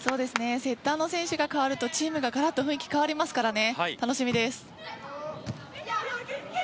セッターの選手が代わるとチームがガラッと雰囲気変わりますから楽しみです。